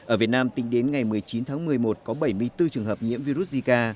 ở việt nam tính đến ngày một mươi chín tháng một mươi một có bảy mươi bốn trường hợp nhiễm virus zika